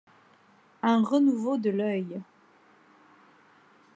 Un renouveau de l’œil.